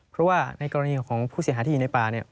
เพราะว่าในกรณีของผู้เสียหายที่อยู่ในป่าเนี่ย